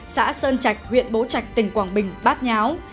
xã sơn chạch huyện bố chạch tỉnh quảng bình bát nháo